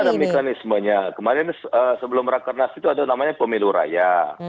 ya kalau di pan kan ada mekanismenya kemarin sebelum rakan nas itu ada namanya pemilu raya